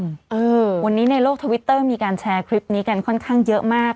วันนี้ในโลกทวิตเตอร์มีการแชร์คลิปนี้กันค่อนข้างเยอะมาก